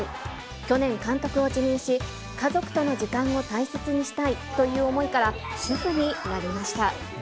去年、監督を辞任し、家族との時間を大切にしたいという思いから、主夫になりました。